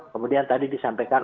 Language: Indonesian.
kemudian tadi disampaikan